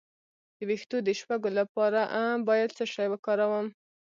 د ویښتو د شپږو لپاره باید څه شی وکاروم؟